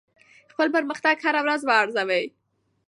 خپل پرمختګ هره ورځ وارزوئ.